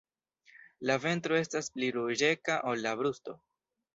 La ventro estas pli ruĝeca ol la brusto.